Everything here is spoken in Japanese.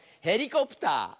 「ヘリコプター」！